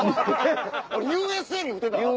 俺ＵＳＡに振ってた？